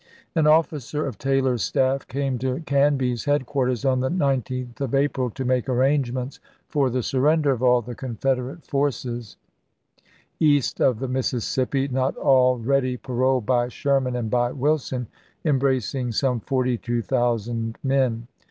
An officer of Taylor's staff came to Canby's headquarters on the 19th of April to make arrangements for the sur i865. render of all the Confederate forces east of the Mississippi not already paroled by Sherman and by Wilson — embracing some 42,000 men.